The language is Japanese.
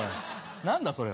何だそれ。